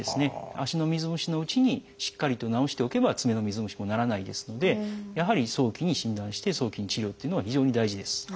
足の水虫のうちにしっかりと治しておけば爪の水虫もならないですのでやはり早期に診断して早期に治療っていうのが非常に大事です。